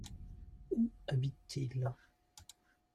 Où habite-t-il ?